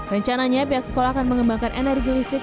rencananya pihak sekolah akan mengembangkan energi listrik